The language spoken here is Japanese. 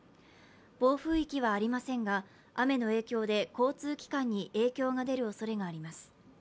暴風域はありませんが、雨の影響で交通機関に影響が出るおそれがあります。